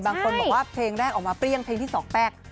บางคนบอกว่าเพลงแรกออกมาเปรี้ยงเพลงที่๒แป้ง